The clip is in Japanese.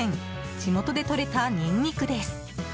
地元でとれたニンニクです。